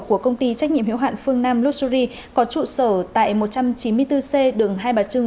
của công ty trách nhiệm hiệu hạn phương nam luxury có trụ sở tại một trăm chín mươi bốn c đường hai bà trưng